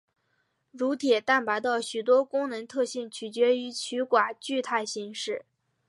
乳铁蛋白的许多功能特性取决于其寡聚态形式。